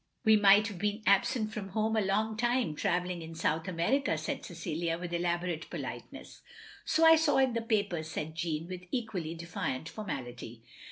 "We have been absent from home a long time; travelling in South America,*' said Cecilia, with elaborate politeness. "So I saw in the papers," said Jeanne, with equally defiant formality.